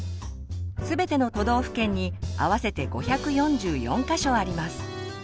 全ての都道府県に合わせて５４４か所あります。